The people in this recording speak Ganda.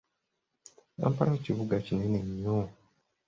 Kampala kibuga kinene nnyo.